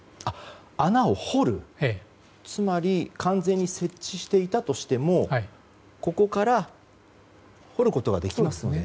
つまり完全に接地していたとしてもここから掘ることができますね。